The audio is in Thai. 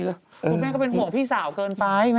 คุณแม่ก็เป็นหัวพี่สาวเกินไปคุณแม่